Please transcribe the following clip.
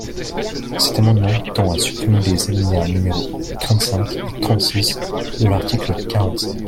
Cet amendement tend à supprimer les alinéas numéros trente-cinq et trente-six de l’article quarante-cinq.